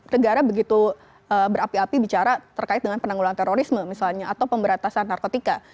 negara begitu berapi api bicara terkait dengan penanggulan terorisme misalnya atau pemberantasan narkotika